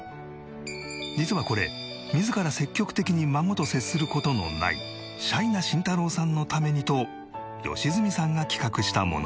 実はこれ自ら積極的に孫と接する事のないシャイな慎太郎さんのためにと良純さんが企画したもの。